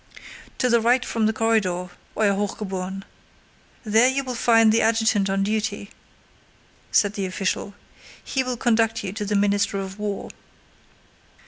"To the right from the corridor, Euer Hochgeboren! There you will find the adjutant on duty," said the official. "He will conduct you to the Minister of War."